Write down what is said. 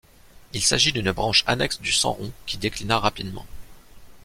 Il s'agit d'une branche annexe du Sanron qui déclina rapidement.